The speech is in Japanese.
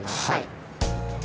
はい。